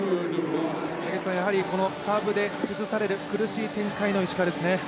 このサーブで崩される苦しい展開の石川ですね。